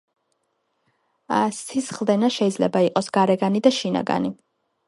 სისხლდენა შეიძლება იყოს გარეგანი და შინაგანი.